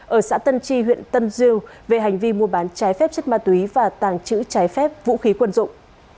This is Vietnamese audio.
ở xã tân tri huyện tân dưu về hành vi mua bán trái phép chất ma túy và tàng trữ trái phép vũ khí quân dụng